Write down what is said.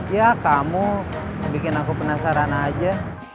ya kamu bikin aku penasaran aja